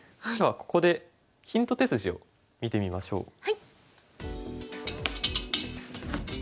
ではここでヒント手筋を見てみましょう。